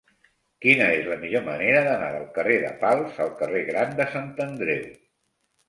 Quina és la millor manera d'anar del carrer de Pals al carrer Gran de Sant Andreu?